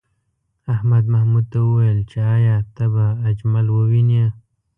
احمد محمود ته وویل چې ایا ته به اجمل ووینې؟